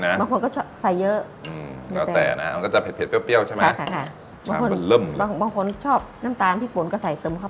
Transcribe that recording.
อันนี้ของใหม่ต่อใส่เลยมั้ย